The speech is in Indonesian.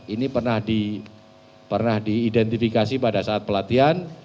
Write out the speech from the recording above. ini pernah diidentifikasi pada saat pelatihan